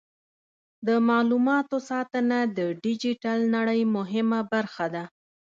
د معلوماتو ساتنه د ډیجیټل نړۍ مهمه برخه ده.